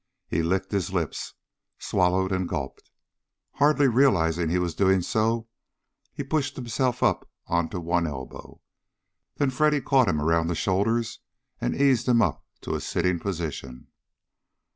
He licked his lips, swallowed, and gulped. Hardly realizing he was doing so, he pushed himself up onto one elbow. Then Freddy caught him around the shoulders and eased him up to a sitting position.